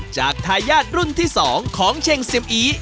จากทายาทรุ่นที่สองของเช่งเสียมอี